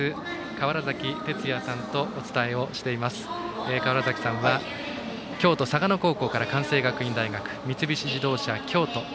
川原崎さんは京都・嵯峨野高校から関西学院大学三菱自動車京都。